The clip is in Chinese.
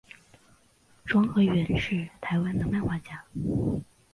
庄河源是台湾的漫画家。